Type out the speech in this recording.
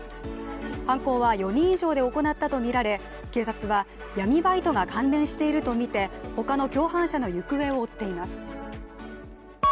犯行は４人以上で行ったとみられ警察は闇バイトが関連しているとみて他の共犯者の行方を追っています。